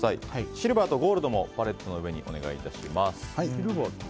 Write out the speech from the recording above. シルバーとゴールドもパレットの上にお願いします。